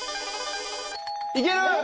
いける！？